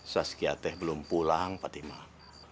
saskiyah teh belum pulang patimah